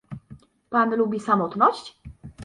"Pan lubi samotność?"